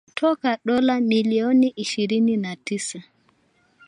Kutoka dola milioni ishirini na tisa